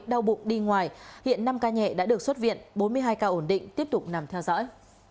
đau bụng đi ngoài hiện năm ca nhẹ đã được xuất viện bốn mươi hai ca ổn định tiếp tục nằm theo dõi